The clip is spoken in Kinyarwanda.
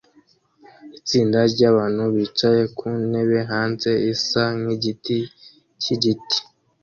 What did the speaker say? Itsinda ryabantu bicaye ku ntebe hanze isa nkigiti cyigiti